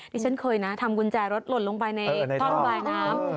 ที่ฉันเคยนะทำกุญแจรถหล่นลงไปในท่อระบายน้ำ